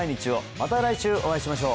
また来週お会いしましょう！